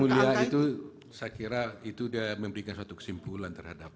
maksudnya yang mulia itu saya kira itu sudah memberikan kesimpulan terhadap